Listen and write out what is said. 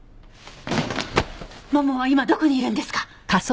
ももは今どこにいるんですか？